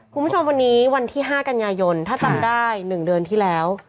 คุณผู้ชมวันนี้วันที่๕กันยายนถ้าจำได้๑เดือนที่แล้ว